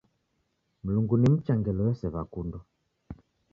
Mlungu ni mcha ngelo yose w'akundwa